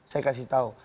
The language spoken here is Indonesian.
saya kasih tahu